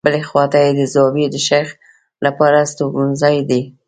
بلې خواته یې د زاویې د شیخ لپاره استوګنځای دی.